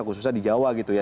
khususnya di jawa gitu ya